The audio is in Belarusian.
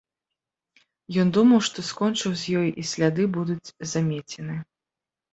Ён думаў, што скончыў з ёю і сляды будуць замецены.